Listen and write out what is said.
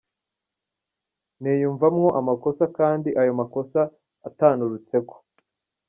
Niyumvamwo amakosa kandi ayo makosa atanturutseko.